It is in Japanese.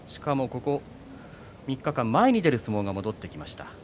ここ３日間は前に出る相撲が戻ってきました。